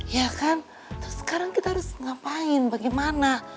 ya kan terus sekarang kita harus ngapain bagaimana